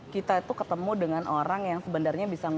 kita tuh ketemu dengan orang yang kebenarnya bisa